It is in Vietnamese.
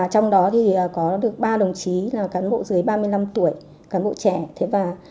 trong đó có được ba đồng chí là cán bộ dưới ba mươi năm tuổi cán bộ trẻ